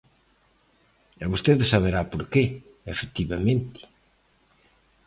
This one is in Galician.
E vostede saberá por que, efectivamente.